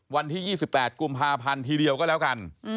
วันที่๒๘กุมภาพันธ์ทีเดียวก็แล้วกัน